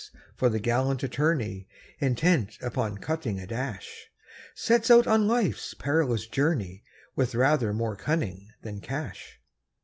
for the gallant attorney, Intent upon cutting a dash, Sets out on life's perilous journey With rather more cunning than cash.